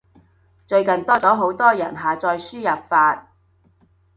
最近多咗好多人下載輸入法